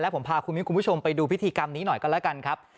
ผมพาคุณผู้ชมไปดูพิธีกรรมนี้หน่อยกันแล้วกันครับ